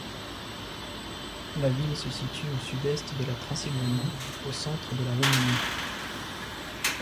La ville se situe au sud-est de la Transylvanie, au centre de la Roumanie.